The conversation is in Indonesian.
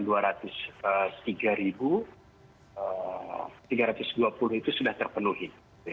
dan yang totalnya tiga ratus dua puluh itu sudah terpenuhi